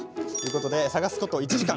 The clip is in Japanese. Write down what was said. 探すこと１時間。